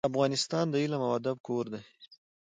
افغانستان د علم او ادب کور دی.